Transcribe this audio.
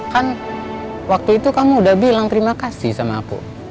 kan waktu itu kamu udah bilang terima kasih sama aku